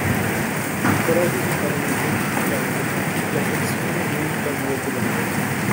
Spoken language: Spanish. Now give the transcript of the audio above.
El coraje es un parámetro clave en la selección de un candidato ganador.